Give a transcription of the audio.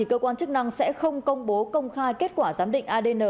cơ quan chức năng sẽ không công bố công khai kết quả giám định adn